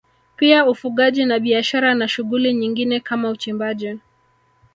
Pia ufugaji na biashara na shughuli nyingine kama uchimbaji